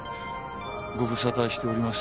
ごぶさたしております。